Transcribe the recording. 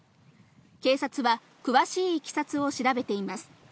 警察は詳しいいきさつを調べています。